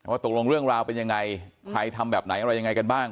ตกลงเรื่องราวเป็นยังไงใครทำแบบไหนอะไรยังไงกันบ้าง